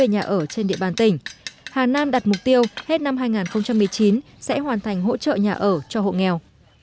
hà nam đặt mục tiêu hết năm hai nghìn một mươi chín sẽ hoàn thành hỗ trợ nhà ở cho hộ nghèo